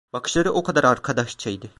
Bakışları o kadar arkadaşça idi.